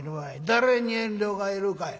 誰に遠慮がいるかい。